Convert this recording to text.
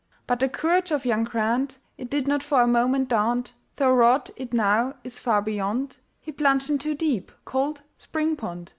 But the courage of young Grant, It did not for a moment daunt, Though rod it now is far beyond, He plunged into deep, cold spring pond.